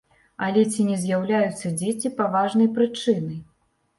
Але ці не з'яўляюцца дзеці паважнай прычынай?